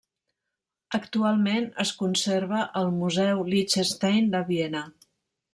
Actualment es conserva al Museu Liechtenstein de Viena.